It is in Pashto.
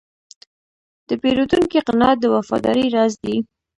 د پیرودونکي قناعت د وفادارۍ راز دی.